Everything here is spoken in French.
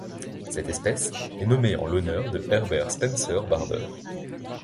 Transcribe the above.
Cette espèce est nommée en l'honneur de Herbert Spencer Barber.